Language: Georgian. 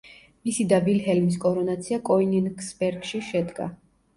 მისი და ვილჰელმის კორონაცია კოინინგსბერგში შედგა.